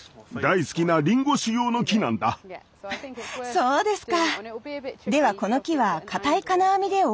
そうですか！